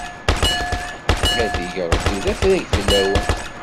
A t-ig Ṛebbi d afrag fell-awen!